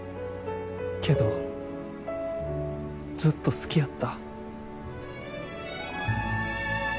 けどずっと好きやった。